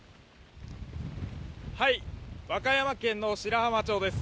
和歌山県の白浜町です。